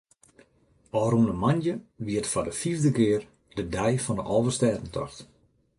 Ofrûne moandei wie it foar de fiifde kear de ‘Dei fan de Alvestêdetocht’.